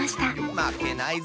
まけないぞ！